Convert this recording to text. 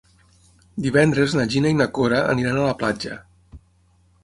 Divendres na Gina i na Cora aniran a la platja.